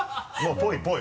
ぽいぽい。